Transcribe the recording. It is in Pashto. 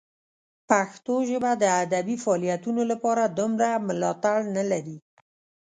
پښتو ژبه د ادبي فعالیتونو لپاره دومره ملاتړ نه لري.